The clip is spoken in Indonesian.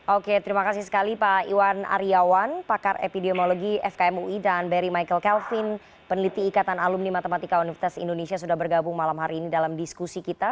oke terima kasih sekali pak iwan aryawan pakar epidemiologi fkm ui dan beri michael kelvin peneliti ikatan alumni matematika universitas indonesia sudah bergabung malam hari ini dalam diskusi kita